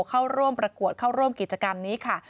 เข้าร่วมประกวดเข้าร่วมกิจกรรมนี้ค่ะ